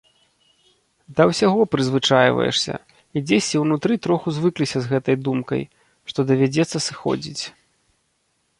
Да ўсяго прызвычайваешся і дзесьці ўнутры троху звыкліся з гэтай думкай, што давядзецца сыходзіць.